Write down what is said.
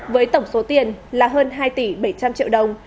với tổng số tiền là hơn hai tỷ bảy trăm linh triệu đồng